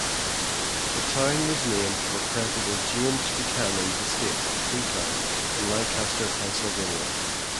The town was named for President James Buchanan's estate Wheatland in Lancaster, Pennsylvania.